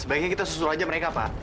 sebaiknya kita susul aja mereka pak